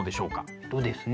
えっとですね